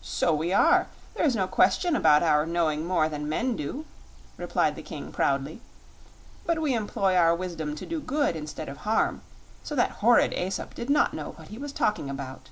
"So we are. There is no question about our knowing more than men do," replied the King, proudly. "But we employ our wisdom to do good, instead of harm; so that horrid Aesop did not know what he was talking about."